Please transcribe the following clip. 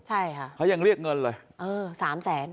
ใช่ค่ะเขายังเรียกเงินเลยเออสามแสน